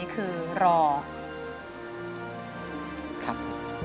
ครับ